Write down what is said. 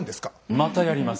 またやります。